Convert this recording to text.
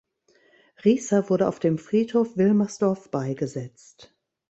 Riesser wurde auf dem Friedhof Wilmersdorf beigesetzt.